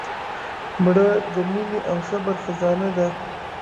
مړه د مینې او صبر خزانه وه